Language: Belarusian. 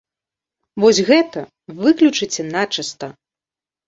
Вось гэта выключыце начыста.